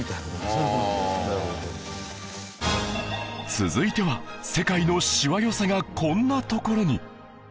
続いては世界のしわ寄せがこんなところに